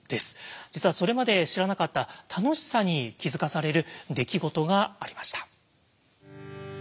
実はそれまで知らなかった楽しさに気付かされる出来事がありました。